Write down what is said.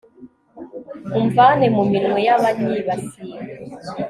umvane mu minwe y'abanyibasiye